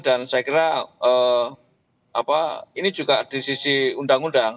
dan saya kira ini juga di sisi undang undang